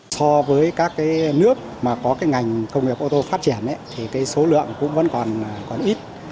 so với các nước mà có ngành công nghiệp ô tô phát triển số lượng cũng vẫn còn ít